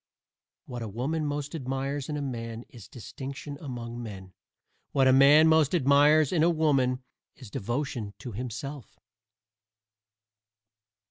What a woman most admires in a man is distinction among men. What a man most admires in a woman is devotion to himself.